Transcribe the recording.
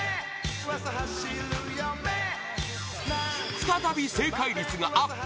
再び正解率がアップ